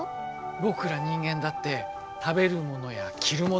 僕ら人間だって食べるものや着るもの